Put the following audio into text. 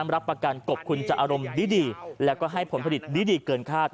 รับประกันกบคุณจะอารมณ์ดีแล้วก็ให้ผลผลิตดีเกินคาด